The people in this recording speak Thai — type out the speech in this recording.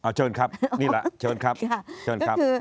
ขอเชิญครับนี่แหละเชิญครับ